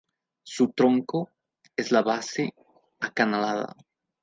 Su tronco es de base acanalada.